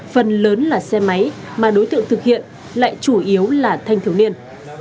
phần lớn là xe máy mà đối tượng thực hiện lại chủ yếu là thanh thiếu niên